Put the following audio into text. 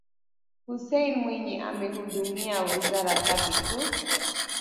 Hussein Mwinyi amehudumia wizara tatu tu